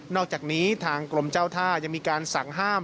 อกจากนี้ทางกรมเจ้าท่ายังมีการสั่งห้าม